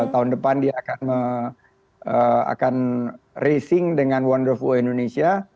tahun depan dia akan racing dengan wonderful indonesia